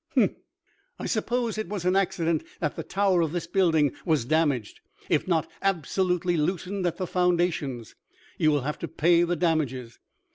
"Humph! I suppose it was an accident that the tower of this building was damaged, if not absolutely loosened at the foundations. You will have to pay the damages!"